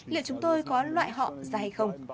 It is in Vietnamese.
liệu chúng tôi có loại họ ra hay không